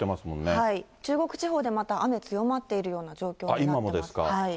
中国地方でまた雨強まっているような状況になってます。